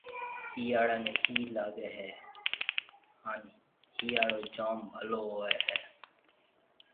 هِاڙي ۾ هِي لاگي هيَ هانَ هِاڙو جوم ڀلو هوئي هيَ۔